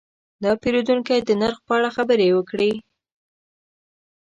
دا پیرودونکی د نرخ په اړه خبرې وکړې.